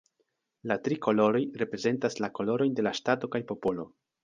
La tri koloroj reprezentas la kolorojn de la ŝtato kaj popolo.